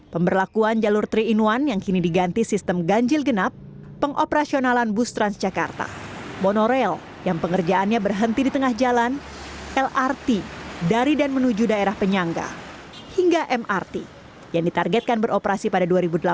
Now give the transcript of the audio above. pemberlakuan jalur tiga in satu yang kini diganti sistem ganjil genap pengoperasionalan bus transjakarta bonorail yang pengerjaannya berhenti di tengah jalan lrt dari dan menuju daerah penyangga hingga mrt yang ditargetkan beroperasi pada dua ribu delapan belas